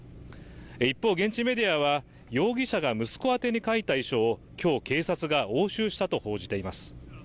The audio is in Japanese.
一方現地メディアは容疑者が息子宛に書いた遺書をきょう警察が押収したと報じています